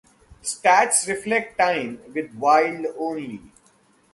Stats reflect time with the Wild only.